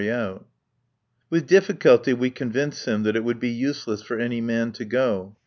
With difficulty we convince him that it would be useless for any man to go.